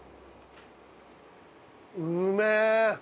うめえ！